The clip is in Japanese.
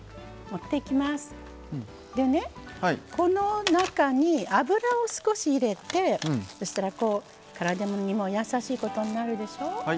この中に、油を少し入れてそうしたら、体にも優しいことになるでしょう。